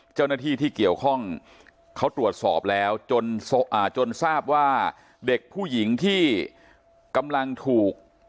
เจ้าหน้าที่ที่เกี่ยวข้องเขาตรวจสอบแล้วจนทราบว่าเด็กผู้หญิงที่กำลังถูก